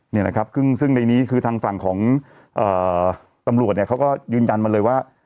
นี่นะครับซึ่งในนี้คือทางฝั่งของตำรวจเนี่ยเขาก็ยืนยันมาเลยว่า